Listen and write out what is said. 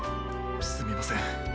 すみません。